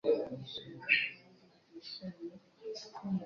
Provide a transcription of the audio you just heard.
Handling customer complaints or any major incidents